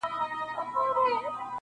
شاوخوا یې بیا پر قبر ماجر جوړ کئ,